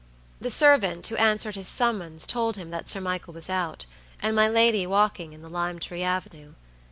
The servant who answered his summons told him that Sir Michael was out, and my lady walking in the lime tree avenue.